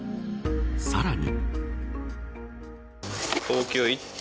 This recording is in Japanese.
さらに。